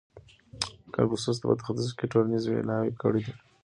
کنفوسوس په ختیځ کي ټولنیزې ویناوې کړې دي.